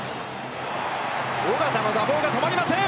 尾形の打棒がとまりません！